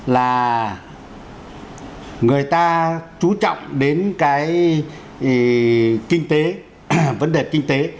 là người ta chú trọng đến cái kinh tế vấn đề kinh tế